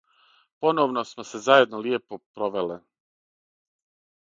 Поновно смо се заједно лијепо провеле.